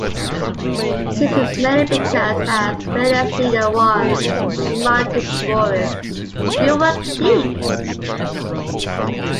This is mainly because, as Fearless Leader once remarked to Boris: You work cheap.